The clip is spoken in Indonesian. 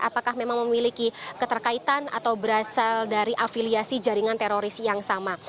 apakah memang memiliki keterkaitan atau berasal dari afiliasi jaringan teroris yang sama